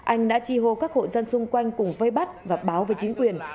anh đã trì hồ các hộ dân xung quanh cùng vây bắt và báo về chính quyền